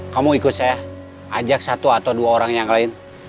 kamu ikut saya ajak satu atau dua orang yang lain